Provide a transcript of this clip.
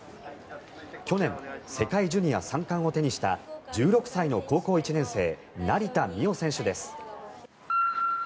去年世界ジュニア３冠を手にした１６歳の高校１年生成田実生選手です。